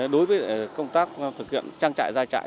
đối với công tác thực hiện trang trại gia trại